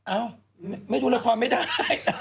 เอ้าไม่ดูละครไม่ได้